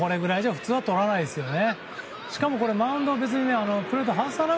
普通はとらないですね。